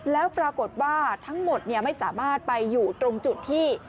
แล้วปรากฏว่าทั้งหมดไม่สามารถไปอยู่ตรงจุดที่